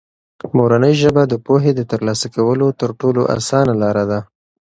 مورنۍ ژبه د پوهې د ترلاسه کولو تر ټولو اسانه لاره ده.